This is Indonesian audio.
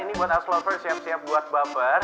ini buat ask lover siap siap buat baper